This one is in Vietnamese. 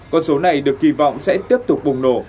con số này được kỳ vọng sẽ tiếp tục bùng nổ